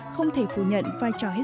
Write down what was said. không thể phủ nhận vai trò hết sắc